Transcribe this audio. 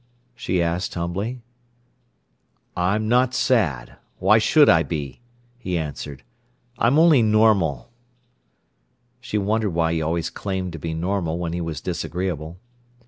she asked humbly. "I'm not sad; why should I be," he answered. "I'm only normal." She wondered why he always claimed to be normal when he was disagreeable.